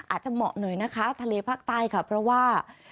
เหมาะหน่อยนะคะทะเลภาคใต้ค่ะเพราะว่า